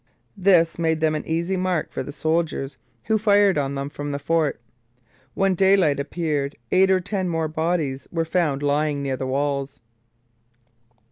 This made them an easy mark for the soldiers, who fired on them from the fort. When daylight appeared eight or ten more bodies were found lying near the walls.